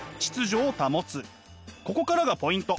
ここからがポイント。